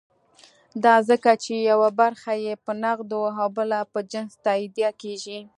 دا ځکه چې یوه برخه یې په نغدو او بله په جنس تادیه کېږي.